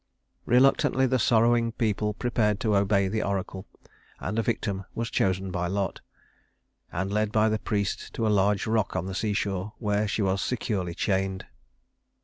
Reluctantly the sorrowing people prepared to obey the oracle; and a victim was chosen by lot, and led by the priest to a large rock on the seashore, where she was securely chained.